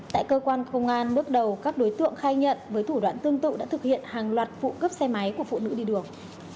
tại cơ quan công an bước đầu các đối tượng khai nhận với thủ đoạn tương tự đã thực hiện hàng loạt vụ cướp xe máy của phụ nữ đi đường